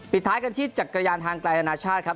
ท้ายกันที่จักรยานทางไกลอนาชาติครับ